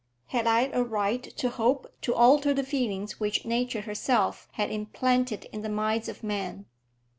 Had I a right to hope to alter the feelings which nature herself had implanted in the minds of men?